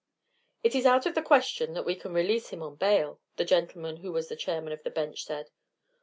"It is out of the question that we can release him on bail," the gentleman who was chairman of the bench said.